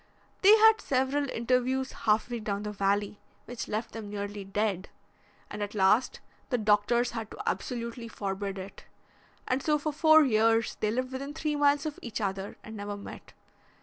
They had several interviews half way down the valley, which left them nearly dead, and at last, the doctors had to absolutely forbid it. And so for four years they lived within three miles of each other and never met.